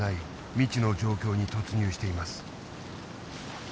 未知の状況に突入しています。